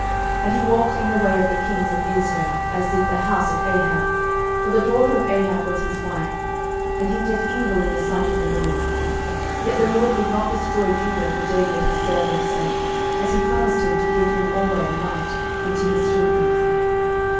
12:008:018 And he walked in the way of the kings of Israel, as did the house of Ahab: for the daughter of Ahab was his wife: and he did evil in the sight of the LORD. 12:008:019 Yet the LORD would not destroy Judah for David his servant's sake, as he promised him to give him alway a light, and to his children.